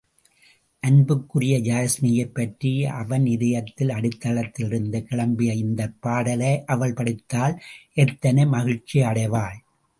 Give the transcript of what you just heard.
அன்புக்குரிய யாஸ்மியைப் பற்றி அவன் இதயத்தின் அடித்தளத்திலேயிருந்து கிளம்பிய இந்தப் பாடலை அவள் படித்தால் எத்தனை மகிழ்ச்சியடைவாள்!